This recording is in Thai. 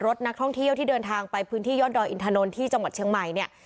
นักท่องเที่ยวที่เดินทางไปพื้นที่ยอดดอยอินทนนท์ที่จังหวัดเชียงใหม่เนี่ย